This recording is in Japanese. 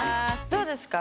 どうですか？